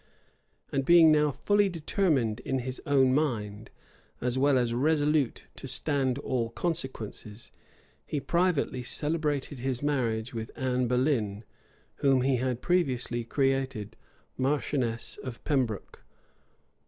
And being now fully determined in his own mind, as well as resolute to stand all consequences, he privately celebrated his marriage with Anne Boleyn, whom he had previously created marchioness of Pembroke.